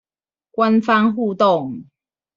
官方互動